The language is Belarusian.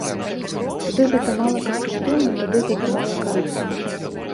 Тады гэта мала канструктыўна, тады гэта мала карысна.